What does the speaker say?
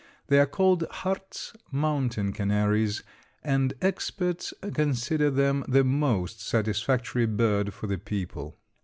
They are called Hartz Mountain canaries, and experts consider them the most satisfactory bird for the people.